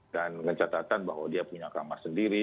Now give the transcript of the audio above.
dan mencatatan bahwa dia punya kamar sendiri